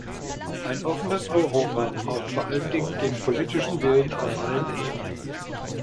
Ein offenes Europa braucht vor allen Dingen den politischen Willen auf allen Ebenen.